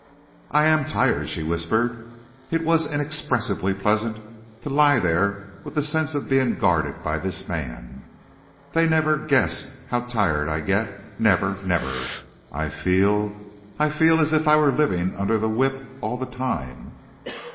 "I am tired," she whispered. It was inexpressibly pleasant to lie there with the sense of being guarded by this man. "They never guess how tired I get never never! I feel I feel as if I were living under the whip all the time."